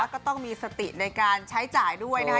ก็ต้องมีสติในการใช้จ่ายด้วยนะคะ